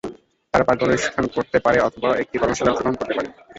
তারা পার্কে অনুষ্ঠান করতে পারে অথবা একটি কর্মশালায় অংশগ্রহণ করতে পারে।